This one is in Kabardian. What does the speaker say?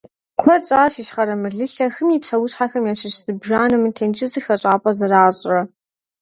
Куэд щӀащ Ищхъэрэ Мылылъэ хым и псэущхьэхэм ящыщ зыбжанэм мы тенджызыр хэщӀапӀэ зэращӀрэ.